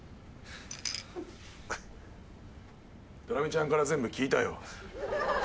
ドラミちゃんから全部聞いたよ